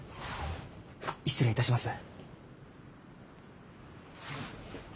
失礼いたします。